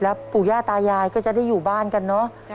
ปู่ย่าตายายก็จะได้อยู่บ้านกันเนอะ